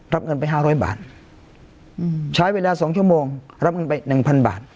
รับเงินไป๕๐๐บาทใช้เวลา๒ชั่วโมงรับเงินไป๑๐๐บาท